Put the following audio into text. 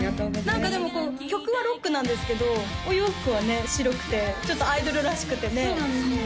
何かでも曲はロックなんですけどお洋服はね白くてちょっとアイドルらしくてねそうなんですよ